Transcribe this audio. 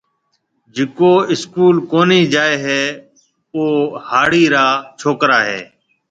جڪو اسڪول ڪونِي جائي هيَ او هاڙِي را ڇوڪرا هيَ۔